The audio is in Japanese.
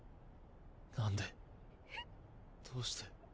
なんでどうして。